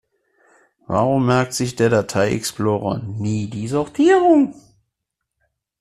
Warum merkt sich der Datei-Explorer nie die Sortierung?